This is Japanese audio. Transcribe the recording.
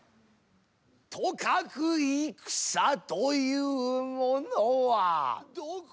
とかく戦というものは。